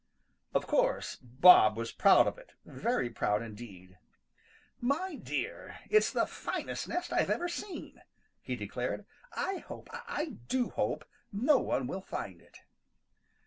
Of course Bob was proud of it, very proud indeed. "My dear, it's the finest nest I've ever seen," he declared. "I hope, I do hope no one will find it."